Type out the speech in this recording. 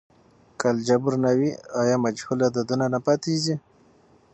که الجبر نه وي، آیا مجهول عددونه نه پاتیږي؟